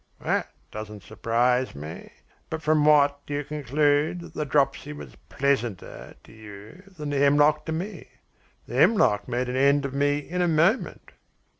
"That doesn't surprise me. But from what do you conclude that the dropsy was pleasanter to you than the hemlock to me? The hemlock made an end of me in a moment."